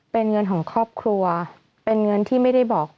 เป็นเงินของครอบครัวเป็นเงินที่ไม่ได้บอก